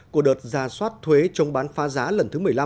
của đợt ra soát thuế chống bán phá giá lần thứ một mươi năm